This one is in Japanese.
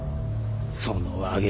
そのわげ